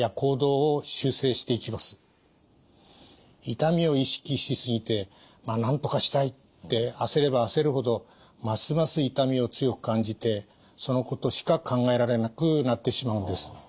痛みを意識し過ぎてなんとかしたいって焦れば焦るほどますます痛みを強く感じてそのことしか考えられなくなってしまうんです。